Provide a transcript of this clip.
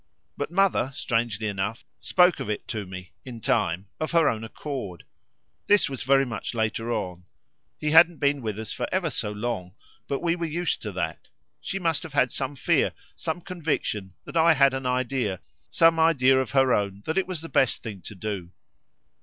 But mother, strangely enough, spoke of it to me, in time, of her own accord this was very much later on. He hadn't been with us for ever so long, but we were used to that. She must have had some fear, some conviction that I had an idea, some idea of her own that it was the best thing to do.